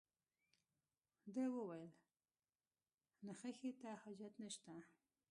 ده وویل نخښې ته حاجت نشته.